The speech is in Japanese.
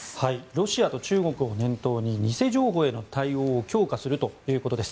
ロシアと中国を念頭に偽情報への対応を強化するということです。